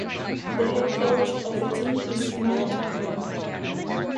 The head coach of the team is Mark Allen.